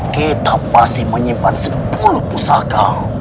kita masih menyimpan sepuluh pusaka